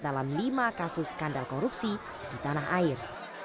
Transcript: dalam lima kasus skandal korupsi di tanah air